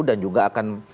dan juga akan